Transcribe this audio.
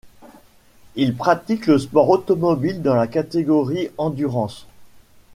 Il pratique le sport automobile dans la catégorie endurance.